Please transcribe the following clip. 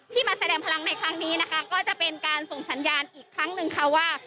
มาแสดงพลังในครั้งนี้นะคะก็จะเป็นการส่งสัญญาณอีกครั้งหนึ่งค่ะว่า